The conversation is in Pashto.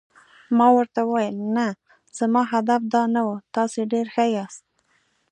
ما ورته وویل: نه، زما هدف دا نه و، تاسي ډېر ښه یاست.